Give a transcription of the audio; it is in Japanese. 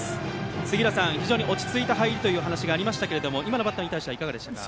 杉浦さん、非常に落ち着いた入りという話がありましたが今のバッターに対してはいかがですか。